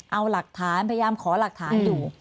เอาหลักฐานพยายามขอหลักฐานอยู่